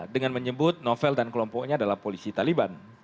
dengan menyebut novel dan kelompoknya adalah polisi taliban